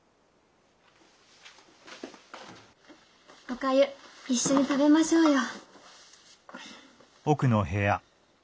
お粥一緒に食べましょうよ。